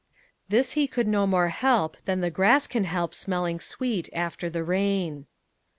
This he could no more help than the grass can help smelling sweet after the rain.